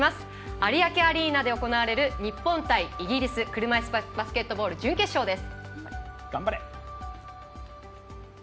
有明アリーナで行われる日本対イギリス車いすバスケットボール準決勝です。